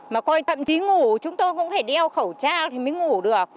mà coi thậm chí ngủ chúng tôi cũng phải đeo khẩu trang thì mới ngủ được